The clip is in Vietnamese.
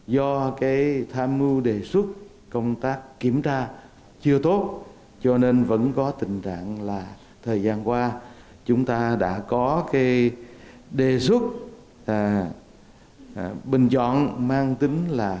do cái tham mưu đề xuất công tác kiểm tra chưa tốt cho nên vẫn có tình trạng là thời gian qua chúng ta đã có cái đề xuất bình chọn mang tính là